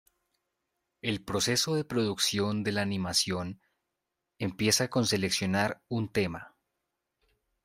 El procedimiento de producción de la animación empieza con seleccionar un tema.